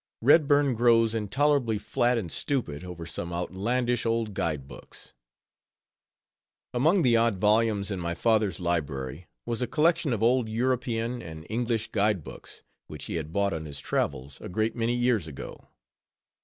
REDBURN GROWS INTOLERABLY FLAT AND STUPID OVER SOME OUTLANDISH OLD GUIDE BOOKS Among the odd volumes in my father's library, was a collection of old European and English guide books, which he had bought on his travels, a great many years ago.